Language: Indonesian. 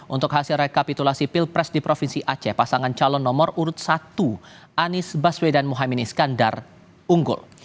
untuk hasil rekapitulasi pilpres di provinsi aceh pasangan calon nomor urut satu anies baswedan mohaimin iskandar unggul